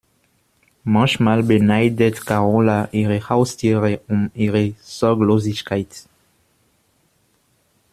Manchmal beneidet Karola ihre Haustiere um ihre Sorglosigkeit.